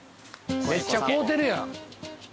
めっちゃ買うてるやん。